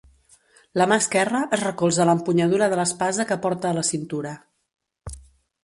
La mà esquerra es recolza a l'empunyadura de l'espasa que porta a la cintura.